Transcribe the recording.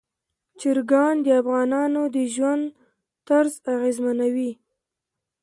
چرګان د افغانانو د ژوند طرز اغېزمنوي.